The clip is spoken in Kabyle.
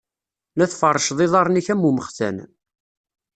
La tfeṛṛceḍ iḍaṛṛen-ik am umextan.